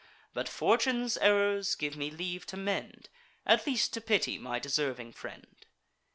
But fortune's errors give me leave to mend, At least to pity my deserving friend."